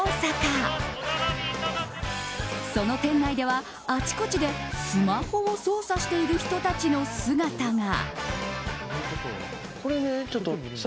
その店内ではあちこちでスマホを操作している人たちの姿が。